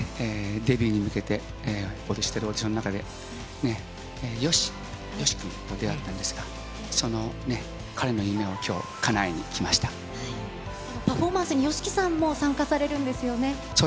デビューに向けて、やっているオーディションの中で、ＹＯＳＨＩ、ＹＯＳＨＩ君と出会ったんですが、その彼の夢を、パフォーマンスにＹＯＳＨＩそうですね。